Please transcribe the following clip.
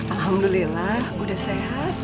alhamdulillah udah sehat